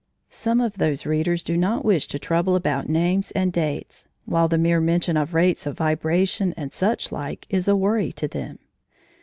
Some of those readers do not wish to trouble about names and dates, while the mere mention of rates of vibration and such like is a worry to them.